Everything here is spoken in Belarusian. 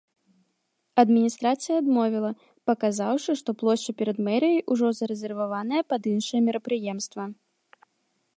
Адміністрацыя адмовіла, паказаўшы, што плошча перад мэрыяй ўжо зарэзерваваная пад іншае мерапрыемства.